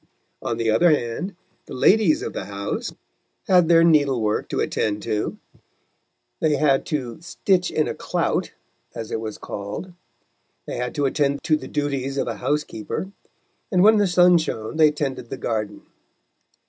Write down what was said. On the other hand, the ladies of the house had their needlework to attend to, they had to "stitch in a clout," as it was called; they had to attend to the duties of a housekeeper, and, when the sun shone, they tended the garden.